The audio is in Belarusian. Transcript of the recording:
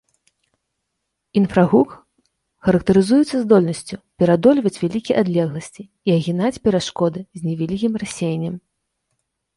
Інфрагук характарызуецца здольнасцю пераадольваць вялікія адлегласці і агінаць перашкоды з невялікім рассеяннем.